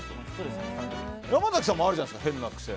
山崎さんもあるじゃないですか変な癖。